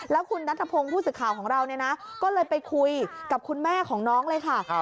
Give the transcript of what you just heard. แล้วคุณนัทพงศ์ผู้สื่อข่าวของเราเนี่ยนะก็เลยไปคุยกับคุณแม่ของน้องเลยค่ะ